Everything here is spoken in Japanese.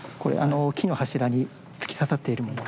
木の柱に突き刺さっているもの。